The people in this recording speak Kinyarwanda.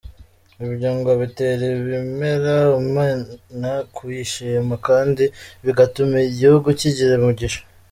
Ibyo ngo bitera abemera Imana kuyishima kandi bigatuma igihugu kigira umugisha.